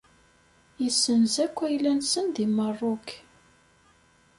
Yessenz akk ayla-nnes deg Meṛṛuk.